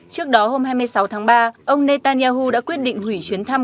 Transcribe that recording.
trước đó hôm hai mươi sáu tháng ba ông netanyahu đã quyết định hủy chuyến thăm